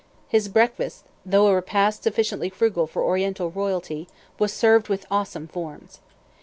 His breakfast, though a repast sufficiently frugal for Oriental royalty, was served with awesome forms.